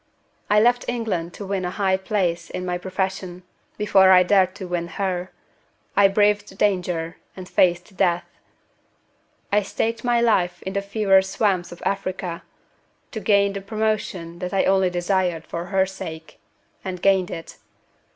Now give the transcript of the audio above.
I left England to win a high place in my profession, before I dared to win her. I braved danger, and faced death. I staked my life in the fever swamps of Africa, to gain the promotion that I only desired for her sake and gained it.